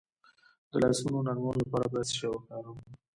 د لاسونو نرمولو لپاره باید څه شی وکاروم؟